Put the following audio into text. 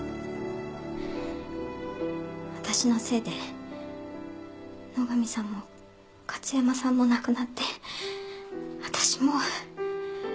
私のせいで野上さんも加津山さんも亡くなって私もう。